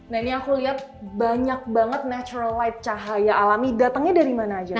nah ini aku lihat banyak banget natural light cahaya alami datangnya dari mana aja